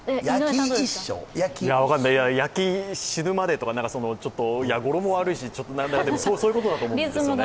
分かんない、焼き死ぬまでとか語呂も悪いしそういうことだと思うんですよね。